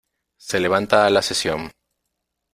Se levanta la sesión.